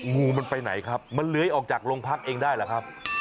งูมันไปไหนครับมันเลื้อยออกจากโรงพักเองได้หรือครับ